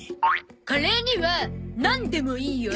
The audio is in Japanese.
カレーにはナンでもいいよ。